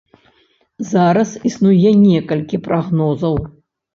Зараз існуе некалькі прагнозаў.